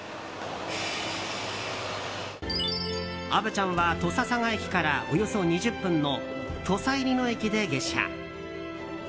虻ちゃんは土佐佐賀駅からおよそ２０分の土佐入野駅で下車。